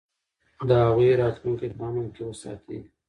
د هغوی راتلونکی په امن کې وساتئ.